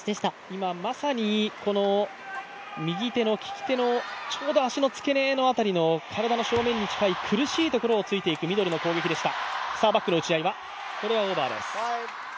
今まさにこの右手の利き手のちょうど足のつけ根辺りの体の正面に近い苦しいところを突いていくミドルの攻撃でした。